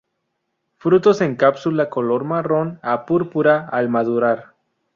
Frutos en cápsula color marrón a púrpura al madurar.